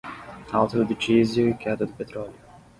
Alta do diesel e queda do petróleo